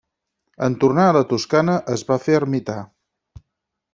En tornar a la Toscana es va fer ermità.